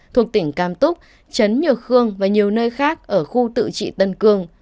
thuộc tỉnh cam túc trấn nhược khương và nhiều nơi khác ở khu tự trị tân cương